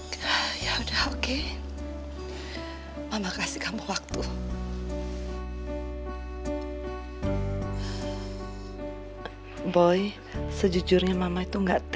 kalau mama sayang atau peduli sama dia